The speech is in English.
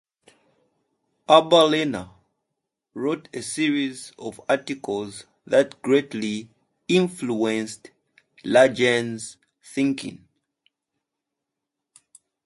Abba Lerner wrote a series of articles that greatly influenced Lange's thinking.